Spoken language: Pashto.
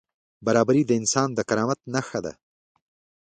برابري د انسان د کرامت نښه ده.